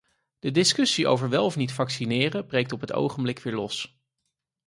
De discussie over wel of niet vaccineren breekt op het ogenblik weer los.